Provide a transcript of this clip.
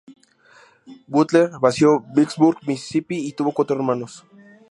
Butler nació Vicksburg, Misisipi y tuvo cuatro hermanos.